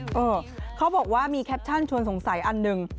เออเขาบอกว่ามีแคปชั่นชวนสงสัยอันหนึ่ง